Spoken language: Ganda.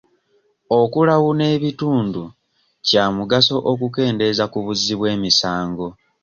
Okulawuna ebitundu kya mugaso okukendeeza ku buzzi bw'emisango.